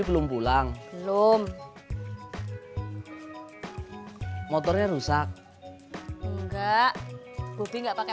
kalau bapaknya serupa tanda pasti sering habis sama dia